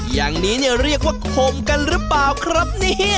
อย่างนี้เรียกว่าขมกันรึเปล่าครับ